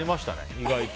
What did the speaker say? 意外と。